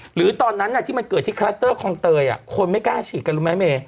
หรือตอนนั้นที่มันเกิดที่คลัสเตอร์คลองเตยคนไม่กล้าฉีดกันรู้ไหมเมย